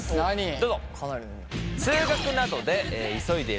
どうぞ。